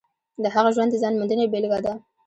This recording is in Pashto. د هغه ژوند د ځان موندنې بېلګه ده.